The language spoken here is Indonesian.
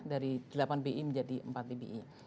dari delapan pbi menjadi empat pbi